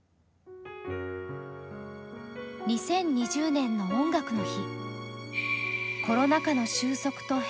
２０２０年の「音楽の日」。